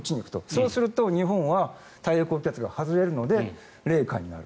そうすると、日本は太平洋高気圧が外れるので冷夏になる。